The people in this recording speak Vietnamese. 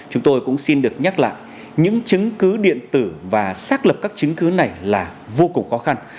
chúng tôi cũng xin được nhắc lại những chứng cứ điện tử và xác lập các chứng cứ này là vô cùng khó khăn